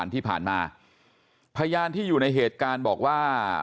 ที่ผ่านมาพยานที่อยู่ในเหตุการณ์บอกว่า